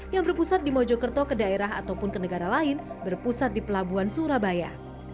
yang berpusat di mojokerto ke daerah ataupun ke negara lain berpusat di pelabuhan surabaya